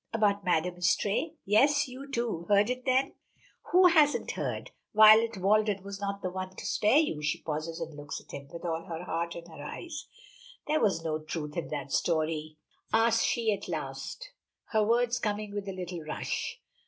"About Madame Istray?" "Yes. You, too, heard of it then?" "Who hasn't heard. Violet Walden was not the one to spare you." She pauses and looks at him, with all her heart in her eyes. "Was there no truth in that story?" asks she at last, her words coming with a little rush.